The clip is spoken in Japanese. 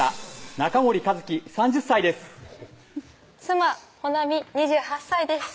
中森一希３０歳です妻・穂南２８歳です